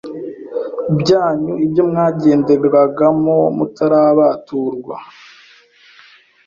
byanyu ibyo mwagenderagamo mutarabaturwa